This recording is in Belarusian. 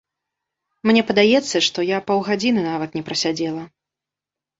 Мне падаецца, што я паўгадзіны нават не прасядзела.